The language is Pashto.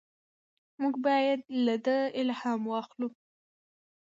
موږ باید له ده الهام واخلو.